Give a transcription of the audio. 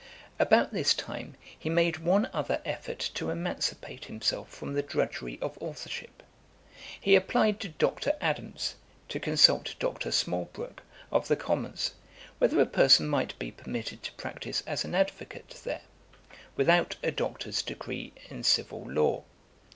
About this time he made one other effort to emancipate himself from the drudgery of authourship. He applied to Dr. Adams, to consult Dr. Smalbroke of the Commons, whether a person might be permitted to practice as an advocate there, without a doctor's degree in Civil Law.